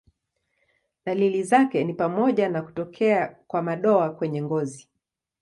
Dalili zake ni pamoja na kutokea kwa madoa kwenye ngozi.